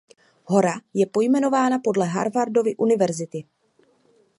Hora je pojmenovaná podle Harvardovy univerzity.